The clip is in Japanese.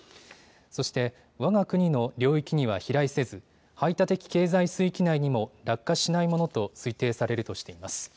そして、わが国の領域には飛来せず排他的経済水域内にも落下しないものと推定されるとしています。